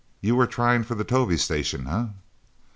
You were trying for the Tovie station, eh?"